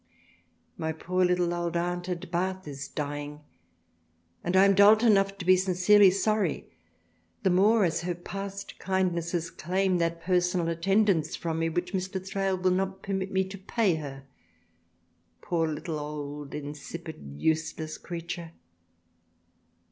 ... My poor little old Aunt at Bath is dying, and I am Dolt enough to be sincerely sorry, the more as her past kindnesses claim that personal attendance from me which Mr. Thrale will not permit me to pay her, poor little, old, insipid, useless Creature